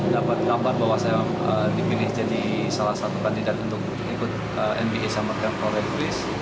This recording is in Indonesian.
dapat kabar bahwa saya dipilih jadi salah satu kandidat untuk ikut nba summer camp pro and rice